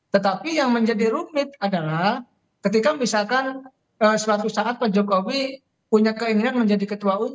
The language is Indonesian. tetapi yang menjadi rumit adalah ketika misalkan suatu saat pak jokowi punya keinginan menjadi ketua umum